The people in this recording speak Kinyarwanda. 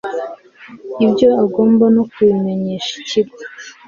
ibyo agomba no kubimenyesha ikigo